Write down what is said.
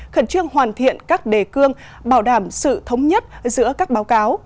khẩn trương hoàn thiện các đề cương bảo đảm sự thống nhất giữa các báo cáo